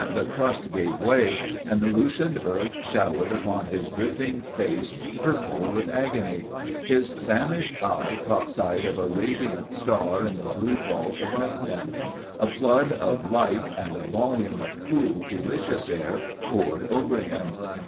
the crust gave way and the loosened earth showered upon his dripping face purple with agony; his famished eye caught sight of a radiant star in the blue vault above him; a flood of light and a volume of cool, delicious air poured over him.